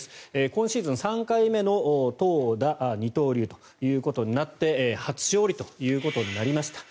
今シーズン３回目の投打二刀流ということになって初勝利ということになりました。